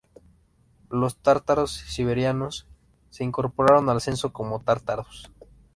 Los tártaros siberianos se incorporaron al censo como "tártaros".